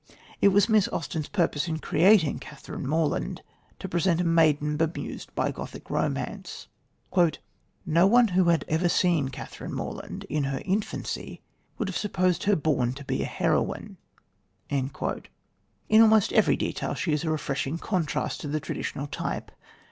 It was Miss Austen's purpose in creating Catherine Morland to present a maiden bemused by Gothic romance: "No one who had ever seen Catherine Morland in her infancy would have supposed her born to be a heroine." In almost every detail she is a refreshing contrast to the traditional type.